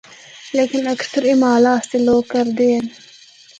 لیکن اکثر اے مالا اسطے لوگ کردے ہن۔